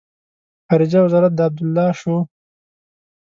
خارجه وزارت د عبدالله شو.